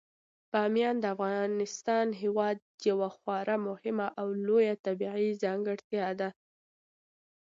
بامیان د افغانستان هیواد یوه خورا مهمه او لویه طبیعي ځانګړتیا ده.